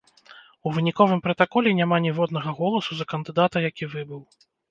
У выніковым пратаколе няма ніводнага голасу за кандыдата, які выбыў.